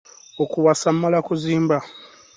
Okuwasa mmala kuzimba.